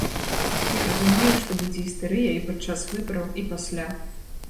Я разумею, што будзе істэрыя і падчас выбараў, і пасля.